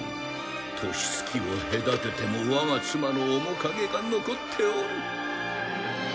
年月を隔てても我が妻の面影が残っておる。